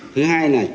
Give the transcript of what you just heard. thứ hai là